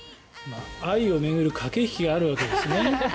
愛を巡る駆け引きがあるわけですね。